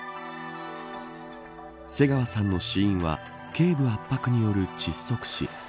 瀬川さんの死因は頸部圧迫による窒息死。